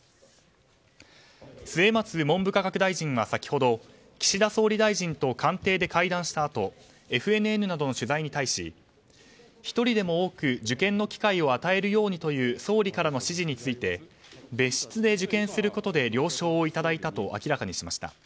末松文部科学大臣は先ほど岸田総理大臣と官邸で会談したあとＦＮＮなどの取材に対し１人でも多く受験の機会を与えるようにという総理からの指示について別室で受験することで了承をいただいたと明らかにしました。